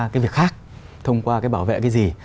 cái việc khác thông qua cái bảo vệ cái gì